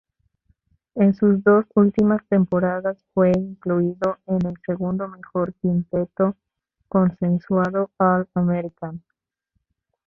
En sus dos últimas temporadas fue incluido en el segundo mejor quinteto consensuado All-American.